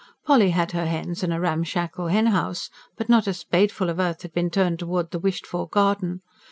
Polly had her hens and a ramshackle hen house; but not a spadeful of earth had been turned towards the wished for garden.